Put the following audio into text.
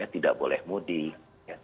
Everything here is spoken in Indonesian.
tidak boleh mudik